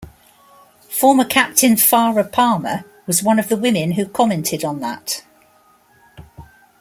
Former captain Farah Palmer was one of the women who commented on that.